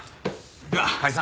では解散。